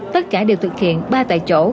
tất cả đều thực hiện ba tại chỗ